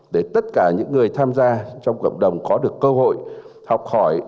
để tất cả những người tham gia trong cộng đồng có được cơ hội học hỏi